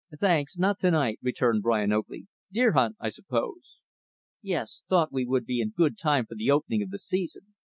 "Thanks, not to night," returned Brian Oakley, "deer hunt, I suppose." "Yes thought we would be in good time for the opening of the season.